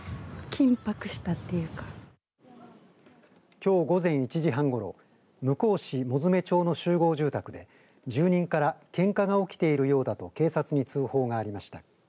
きょう午前１時半ごろ向日市物集女町の集合住宅で住人からけんかが起きているようだと警察に通報がありました。